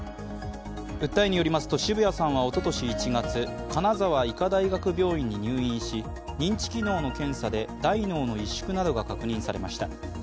訴えによりますと、澁谷さんはおととし１月、金沢医科大学病院に入院し認知機能の検査で大脳の萎縮などが確認されました。